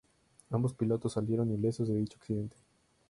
Ambos pilotos salieron ilesos de dicho accidente.